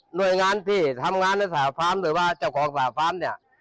หน่วยงานที่ทำงานสหภาพหรือว่าเจ้าของสหภาพเนี่ย